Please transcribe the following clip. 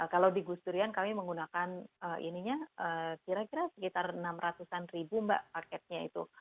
kalau di gusurian kami menggunakan ininya kira kira sekitar enam ratusan ribu mbak paketnya itu